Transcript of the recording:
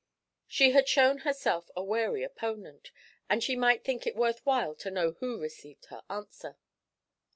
She had shown herself a wary opponent, and she might think it worth while to know who received her answer.